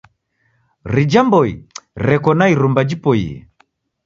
Rija mboi reko na irumba jiboie.